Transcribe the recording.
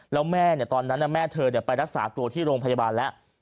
แล้วแม่ตอนนั้นแม่เธอไปรักษาตัวที่โรงพยาบาลแล้ว